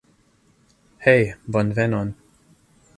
Hej, bonvenon.